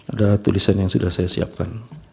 ada tulisan yang sudah saya siapkan